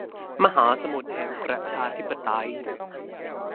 มหาสมุทรแห่งประชาธิปไตย